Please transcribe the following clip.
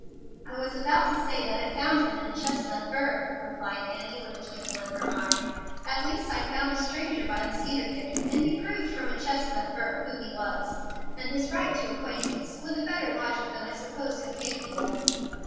"I was about to say that I found him in a chestnut burr," replied Annie, with a twinkle in her eye. "At least I found a stranger by the cedar thicket, and he proved from a chestnut burr who he was, and his right to acquaintance, with a better logic than I supposed him capable of."